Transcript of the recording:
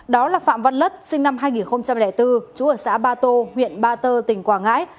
đó là phạm văn lất sinh năm hai nghìn bốn chú ở xã ba tô huyện ba tơ tỉnh quảng ngãi